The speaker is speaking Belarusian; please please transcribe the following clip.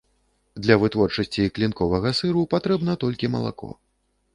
Для вытворчасці клінковага сыру патрэбна толькі малако.